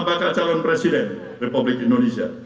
bakal calon presiden republik indonesia